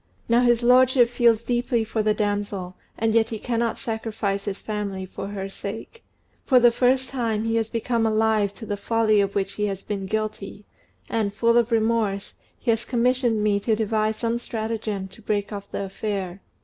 Now his lordship feels deeply for the damsel, and yet he cannot sacrifice his family for her sake. For the first time, he has become alive to the folly of which he has been guilty, and, full of remorse, he has commissioned me to devise some stratagem to break off the affair.